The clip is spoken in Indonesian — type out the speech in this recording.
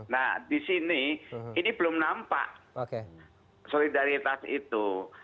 nah di sini ini belum nampak solidaritas itu